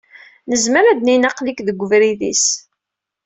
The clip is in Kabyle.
Nezmer ad d-nini, aql-ik deg ubrid-is.